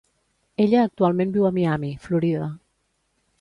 Ella actualment viu a Miami, Florida.